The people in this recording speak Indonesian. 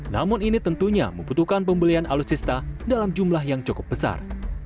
namun ini tentunya membutuhkan pembelian alutsista dalam jumlah yang cukup besar